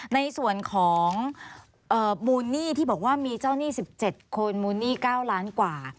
ในส่วนของมูลหนี้ที่บอกว่ามีเจ้าหนี้๑๗คนมูลหนี้๙ล้านกว่า